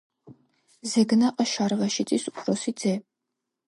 ზეგნაყ შარვაშიძის უფროსი ძე.